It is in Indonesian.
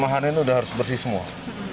lima hari ini udah harus bersih semua